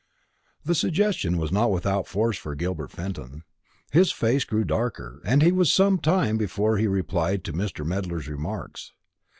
The suggestion was not without force for Gilbert Fenton. His face grew darker, and he was some time before he replied to Mr. Medler's remarks.